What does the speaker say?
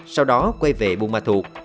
sau đó quay về buôn ma thuộc